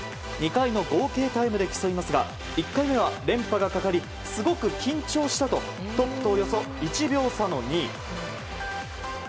２回の合計タイムで競いますが１回目は、連覇がかかりすごく緊張したとトップとおよそ１秒差の２位。